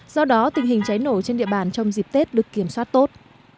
do đó tình hình cháy nổ trên địa bàn trong dịp tết được kiểm soát tốt